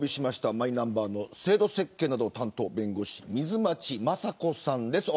マイナンバーの制度設計などを担当弁護士の水町雅子さんです。